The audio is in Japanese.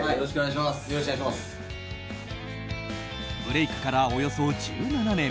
ブレークからおよそ１７年。